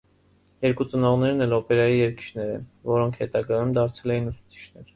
Երկու ծնողներն էլ օպերայի երգիչներ էին, որոնք հետագայում դարձել էին ուսուցիչներ։